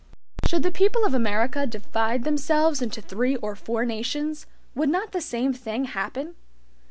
Should the people of America divide themselves into three or four nations, would not the same thing happen?